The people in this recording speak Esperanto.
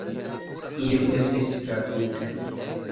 Iu estis trafita.